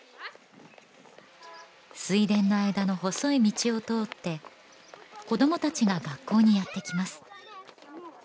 水田の間の細い道を通って子どもたちが学校にやってきます